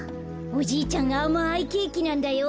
おじいちゃんあまいケーキなんだよ。